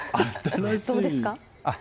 どうですか？